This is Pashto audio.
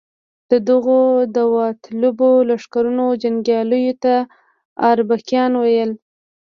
د دغو داوطلبو لښکرونو جنګیالیو ته اربکیان ویل.